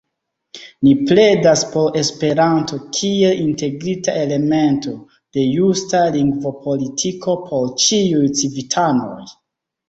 Ni pledas por Esperanto kiel integrita elemento de justa lingvopolitiko por ĉiuj civitanoj.